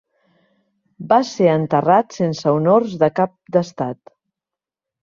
Va ser enterrat sense honors de cap d'estat.